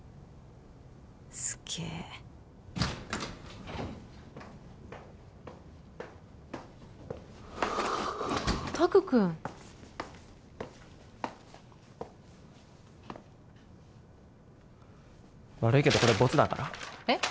すげえ拓くん悪いけどこれボツだからえっ？